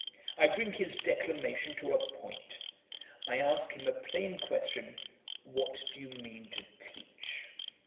I bring his declamation to a point. I ask him a plain question, 'What do you mean to teach?'